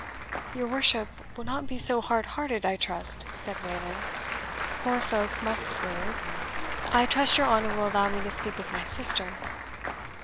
"Your worship will not be so hardhearted, I trust," said Wayland; "poor folk must live. I trust your honour will allow me to speak with my sister?"